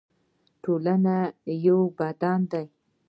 ټولنه یو بدن دی